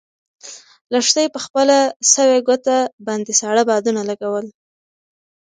لښتې په خپله سوې ګوته باندې ساړه بادونه لګول.